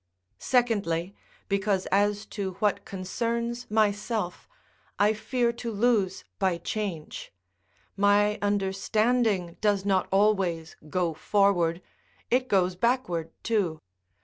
Secondly, because as to what concerns myself, I fear to lose by change: my understanding does not always go forward, it goes backward too.